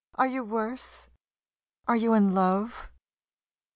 Are you worse? Are you in love?